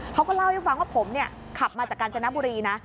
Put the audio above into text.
เขาก็เล่าให้ฟังว่าผมขับมาจากกาญจนบุรีนะ